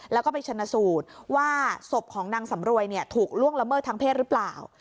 แล้วก็ไปชนสูตรว่าศพของนางสำรวยถูกล่วงละเมิดทางเพศหรือเปล่า